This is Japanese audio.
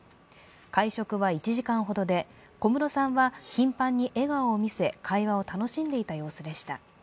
会食は１時間ほどで、小室さんは頻繁に笑顔を見せ会話を楽しんでいた様子でした。